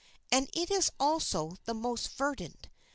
And it is also the most verdant.